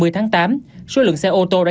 hai mươi tháng tám số lượng xe ô tô đã